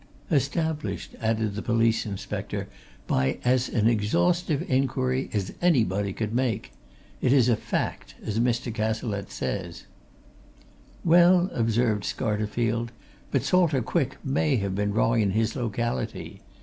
"Established," added the police inspector, "by as an exhaustive inquiry as anybody could make. It is a fact as Mr. Cazalette says." "Well," observed Scarterfield, "but Salter Quick may have been wrong in his locality.